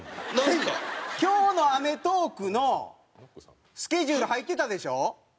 今日の『アメトーーク』のスケジュール入ってたでしょ？